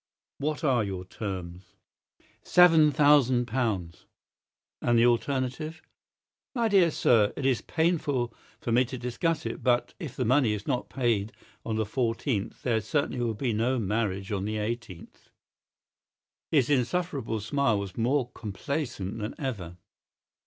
"What are your terms?" "Seven thousand pounds." "And the alternative?" "My dear sir, it is painful for me to discuss it; but if the money is not paid on the 14th there certainly will be no marriage on the 18th." His insufferable smile was more complacent than ever.